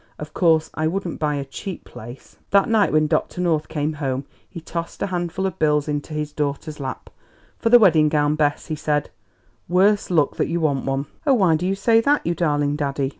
Of course I wouldn't buy a cheap lace." That night when Dr. North came home he tossed a handful of bills into his daughter's lap. "For the wedding gown, Bess," he said; "worse luck that you want one!" "Oh, why do you say that, you darling daddy?"